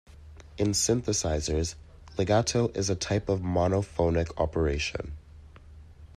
In synthesizers legato is a type of monophonic operation.